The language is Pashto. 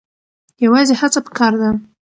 یوازې هڅه پکار ده.